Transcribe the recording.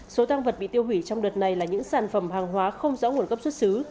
số tăng vật bị tiêu hủy trong đợt này là những sản phẩm hàng hóa không rõ nguồn gốc xuất xứ